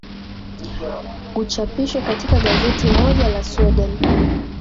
uchapishwe katika gazeti moja la sweden